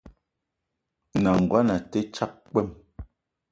N’nagono a te tsag kpwem.